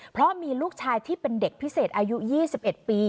เพราะมีลูกชายที่เป็นเด็กพิเศษอายุ๒๑ปี